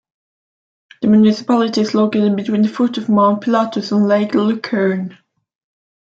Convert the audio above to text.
The municipality is located between the foot of Mount Pilatus and Lake Lucerne.